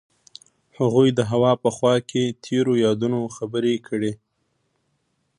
هغوی د هوا په خوا کې تیرو یادونو خبرې کړې.